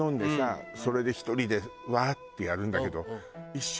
それで１人で「わぁ」ってやるんだけど。